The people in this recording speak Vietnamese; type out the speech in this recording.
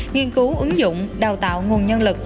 nghiên cứu ứng dụng đào tạo nguồn nhân lực